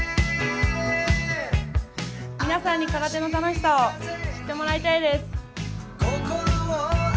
皆さんに空手の楽しさを知ってもらいたいです。